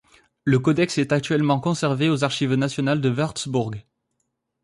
Le codex est actuellement conservé aux archives nationales de Wurtzbourg.